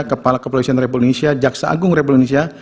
kepala kepolisian republik indonesia jaksa agung republik indonesia